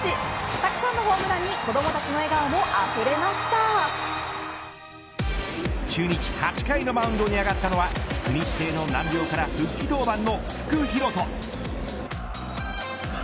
たくさんのホームランに子どもたちの笑顔も中日８回のマウンドに上がったのは国指定の難病から復帰登板の福敬登。